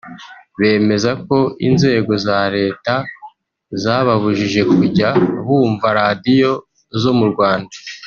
bemeza ko inzego za leta zababujije kujya bumva radiyo zo mu Rwanda